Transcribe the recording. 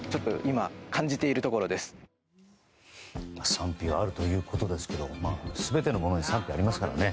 賛否はあるということですけど全てのものに賛否がありますからね。